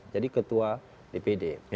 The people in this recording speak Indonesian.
jadi ketua dpd